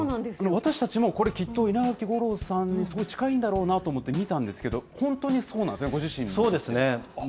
私たちもきっと稲垣さんにすごい近いんだろうなと思って見たんですけど、本当にそうなんです